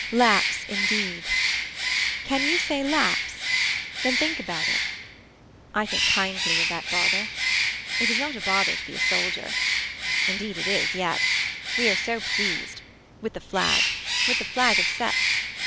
Laps indeed. Can you say lapse. Then think about it. I think kindly of that bother. It is not a bother to be a soldier. Indeed it is yet. We are so pleased. With the flag. With the flag of sets.